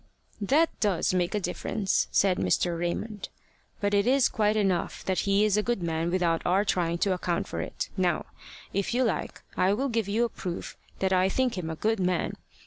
"That does make a difference," said Mr. Raymond. "But it is quite enough that he is a good man without our trying to account for it. Now, if you like, I will give you a proof that I think him a good man.